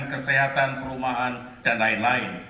kesehatan perumahan dan lain lain